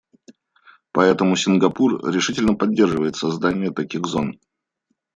Поэтому Сингапур решительно поддерживает создание таких зон.